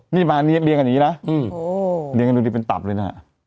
นี่มาเรียงกันอย่างนี้นะเลี้ยงกันดูดีเป็นตับเลยนะฮะ